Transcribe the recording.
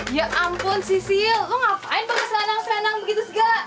ya ampun sisil lo ngapain banget senang senang begitu segala